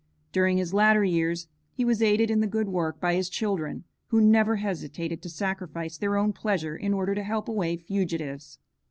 During his latter years, he was aided in the good work by his children, who never hesitated to sacrifice their own pleasure in order to help away fugitives.